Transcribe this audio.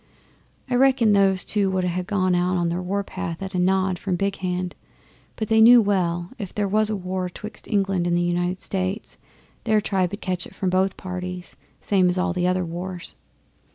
I reckon those two would ha' gone out on the war path at a nod from Big Hand, but they knew well, if there was war 'twixt England and the United States, their tribe 'ud catch it from both parties same as in all the other wars.